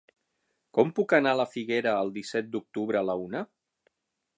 Com puc anar a la Figuera el disset d'octubre a la una?